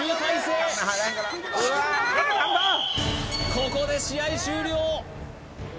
ここで試合終了！